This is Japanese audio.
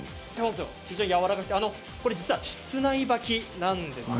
やわらかくて実は、室内履きなんです。